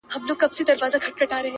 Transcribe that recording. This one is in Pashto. زه به د غم تخم کرم ژوندی به یمه!.